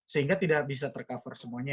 sehingga tidak bisa tercover semuanya